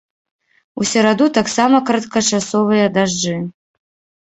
У сераду таксама кароткачасовыя дажджы.